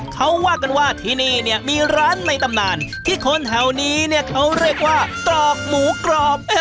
เขาว่ากันว่าที่นี่เนี่ยมีร้านในตำนานที่คนแถวนี้เนี่ยเขาเรียกว่าตรอกหมูกรอบ